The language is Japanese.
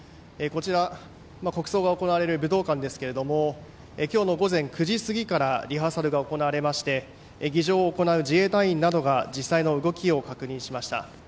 こちら国葬が行われる武道館ですが今日の午前９時過ぎからリハーサルが行われまして儀仗を行う自衛隊員などが実際の動きを確認しました。